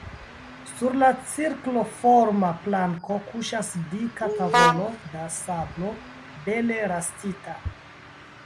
Sur la cirkloforma planko kuŝas dika tavolo da sablo bele rastita.